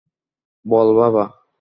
বল, বাবা!